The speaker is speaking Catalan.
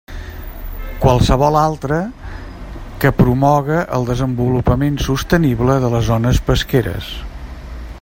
Qualsevol altra que promoga el desenvolupament sostenible de les zones pesqueres.